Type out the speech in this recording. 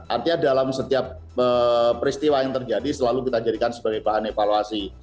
artinya dalam setiap peristiwa yang terjadi selalu kita jadikan sebagai bahan evaluasi